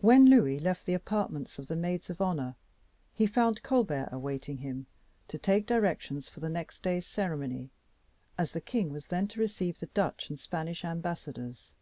When the king left the apartments of the maids of honor, he found Colbert awaiting him to take directions for the next day's ceremony, as the king was then to receive the Dutch and Spanish ambassadors.